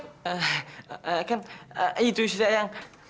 eh eh kan itu sih sayang